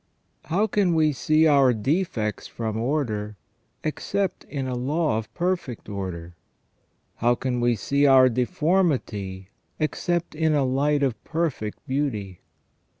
How can we see our defects from order except in a law of perfect order ? How can we see our deformity except in a light of perfect beauty